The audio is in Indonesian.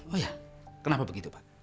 oh ya kenapa begitu pak